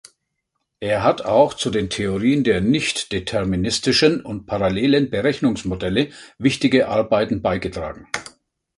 Er hat auch zu den Theorien der nichtdeterministischen und parallelen Berechnungsmodelle wichtige Arbeiten beigetragen.